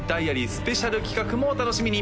スペシャル企画もお楽しみに！